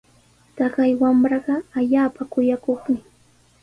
Taqay wamraqa allaapa kuyakuqmi.